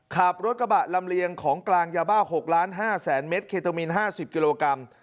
ขับรถกระบะลำเลียงของกลางยาบ้า๖ล้าน๕แสนเมตรเคตามีน๕๐กิโลกรัม